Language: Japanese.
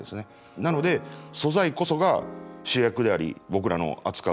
なので素材こそが主役であり僕らの扱う宝なんですね。